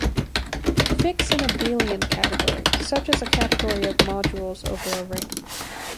Fix an abelian category, such as a category of modules over a ring.